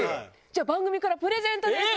じゃあ番組からプレゼントです！